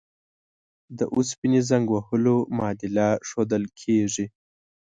د اوسپنې زنګ وهلو معادله ښودل کیږي.